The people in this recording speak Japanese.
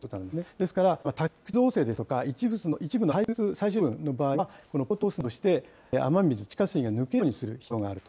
ですから、宅地造成ですとか、一部の廃棄物最終処分の場合は、このパイプを通すなどして雨水、地下水が抜けるようにする必要があると。